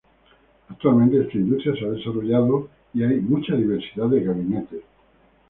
Actualmente esta industria se ha desarrollado y hay mucha diversidad de gabinetes.